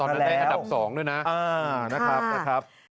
ตอนนั้นได้อันดับ๒ด้วยนะ